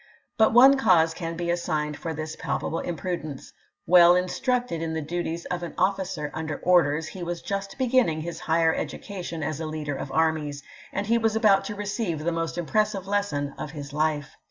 But one cause can be < assigned for this palpable imprudence. Well in structed in the duties of an officer under orders, he was just beginning his higher education as a leader of armies, and he was about to receive the most impressive lesson of his life.